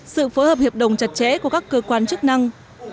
sự phối hợp hiệp đồng chặt chẽ của các cơ quan chức năng